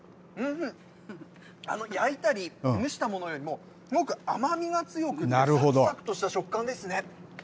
焼いたり、蒸したものよりも、よく甘みが強くて、とした食感ですね。